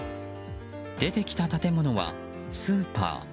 出てきた建物は、スーパー。